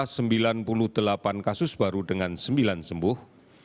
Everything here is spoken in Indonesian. jawa barat delapan puluh delapan kasus baru dengan sembilan sembuh